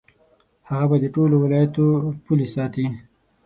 هغه به د ټولو ولایاتو پولې ساتي.